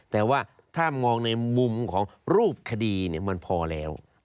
แต่ว่าถ้ามองในมุมของรูปคดีมันพอแล้ว